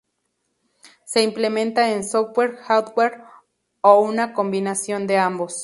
Se implementa en software, hardware o una combinación de ambos.